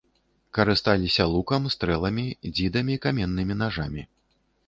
Карысталіся лукам, стрэламі, дзідамі, каменнымі нажамі.